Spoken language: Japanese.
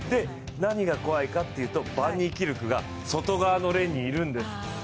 何が怖いかっていうと、バンニーキルクが外側のレーンにいるんです。